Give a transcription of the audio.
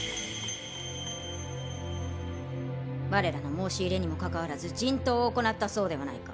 我らの申し入れにもかかわらず人痘を行ったそうではないか！